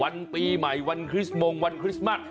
ปีใหม่วันคริสต์มงวันคริสต์มัส